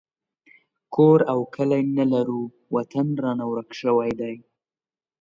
کور او کلی نه لرو وطن رانه ورک شوی دی